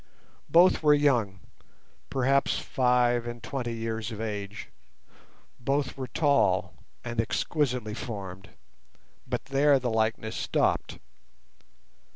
Both were young—perhaps five and twenty years of age—both were tall and exquisitely formed; but there the likeness stopped.